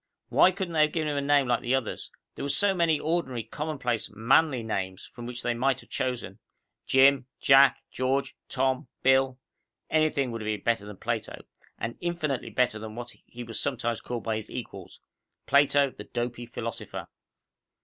Why couldn't they have given him a name like the others? There were so many ordinary, commonplace, manly names from which they might have chosen. Jim, Jack, George, Tom, Bill anything would have been better than Plato. And infinitely better than what he was sometimes called by his equals "Plato, the dopy philosopher."